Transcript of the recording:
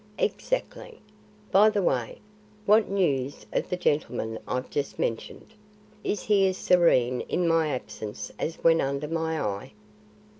"Exactly. By the way, what news of the gentleman I've just mentioned? Is he as serene in my absence as when under my eye?"